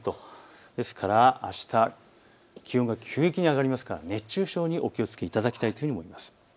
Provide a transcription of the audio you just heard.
ですから、あしたは気温が急激に上がりますから熱中症にお気をつけいただきたいと思います。